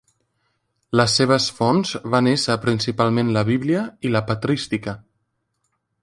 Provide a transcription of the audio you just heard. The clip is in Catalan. Les seves fonts van ésser principalment la Bíblia i la patrística.